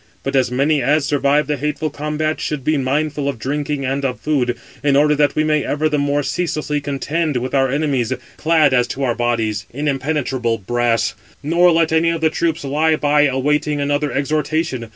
632 But as many as survive the hateful combat should be mindful of drinking and of food, in order that we may ever the more ceaselessly contend with our enemies, clad as to our bodies in impenetrable brass; nor let any of the troops lie by awaiting another exhortation.